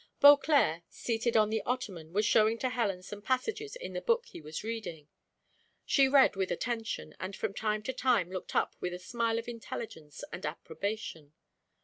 Beauclerc, seated on the ottoman, was showing to Helen some passages in the book he was reading; she read with attention, and from time to time looked up with a smile of intelligence and approbation.